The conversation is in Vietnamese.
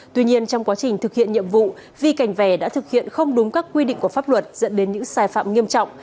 tuy nhiên trong quá trình thực hiện nhiệm vụ vi cảnh về đã thực hiện không đúng các quy định của pháp luật dẫn đến những sai phạm nghiêm trọng